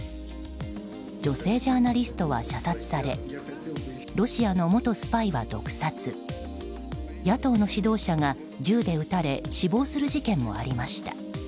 女性ジャーナリストは射殺されロシアの元スパイは毒殺野党の指導者が銃で撃たれ死亡する事件もありました。